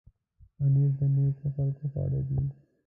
پنېر د نېکو خلکو خواړه دي.